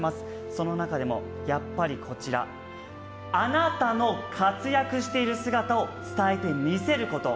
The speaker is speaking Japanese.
その中でもやっぱりこちらあなたの活躍している姿を伝えて見せること。